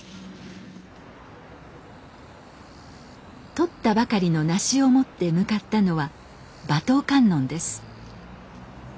とったばかりのナシを持って向かったのは馬頭観音です。